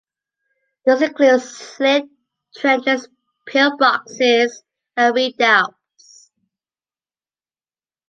This includes slit trenches, pillboxes, and redoubts.